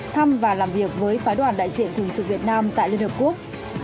thăm và làm việc với phái đoàn đại diện thường sự việt nam tại liên hợp quốc